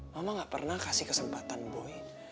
mama gak pernah kasih kesempatan boy